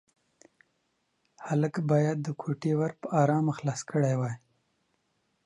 هلک باید د کوټې ور په ارامه خلاص کړی وای.